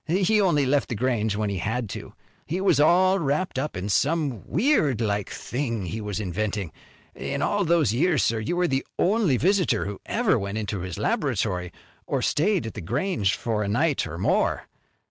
He only left The Grange when he had to. He was all wrapped up in some weird like thing he was inventing. In all those years, sir, you were the only visitor who ever went into his laboratory, or stayed at The Grange for a night or more.